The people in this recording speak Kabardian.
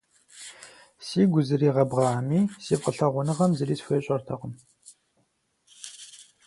Сигу зригъэбгъами, си фӏылъагъуныгъэм зыри схуещӏэртэкъым.